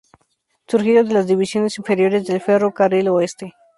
Surgido de las divisiones inferiores de Ferro Carril Oeste.